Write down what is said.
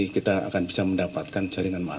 nanti kita akan bisa mendapatkan jaringan yang lain ya